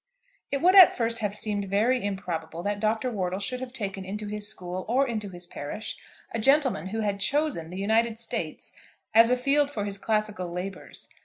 It would at first have seemed very improbable that Dr. Wortle should have taken into his school or into his parish a gentleman who had chosen the United States as a field for his classical labours.